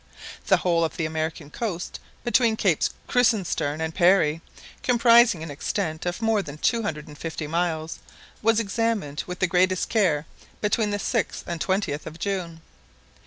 The whole of the American coast between Capes Krusenstern and Parry, comprising an extent of more than two hundred and fifty miles, was examined with the greatest care between the 6th and 20th of June.